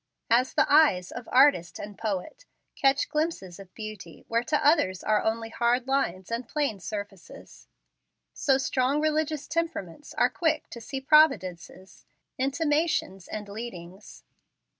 As the eyes of artist and poet catch glimpses of beauty where to others are only hard lines and plain surfaces, so strong religious temperaments are quick to see providences, intimations, and leadings.